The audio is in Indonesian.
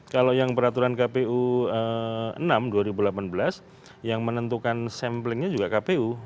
kalau yang peraturan kpu enam dua ribu delapan belas yang menentukan samplingnya juga kpu